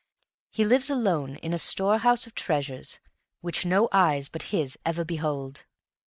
He lives alone in a storehouse of treasures which no eyes but his ever behold.